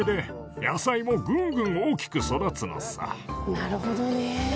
なるほどね。